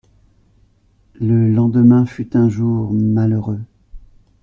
Le lendemain fut un jour malheureux.